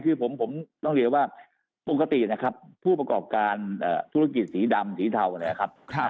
คือผมต้องเรียนว่าปกตินะครับผู้ประกอบการธุรกิจสีดำสีเทานะครับ